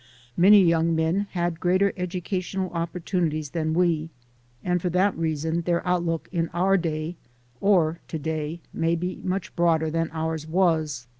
Many young men had greater educational opportunities than we, and for that reason their outlook in our day or to day may be much broader than ours was.